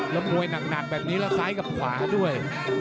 แล้วมวยหนักแบบนี้แล้วซ้ายกับขวาด้วย